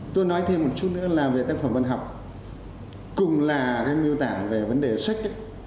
tôi nói thêm một chút nữa là về tác phẩm văn học cùng là đem miêu tả về vấn đề sách ấy